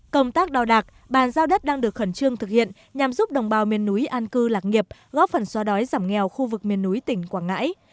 công tác đo đạc bàn giao đất đang được khẩn trương thực hiện nhằm giúp đồng bào miền núi an cư lạc nghiệp góp phần xoa đói giảm nghèo khu vực miền núi tỉnh quảng ngãi